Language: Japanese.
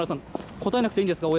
答えなくていいんですか？